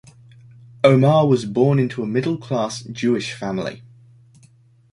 Omarr was born into a middle class Jewish family.